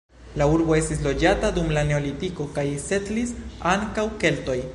La urbo estis loĝata dum la neolitiko kaj setlis ankaŭ keltoj.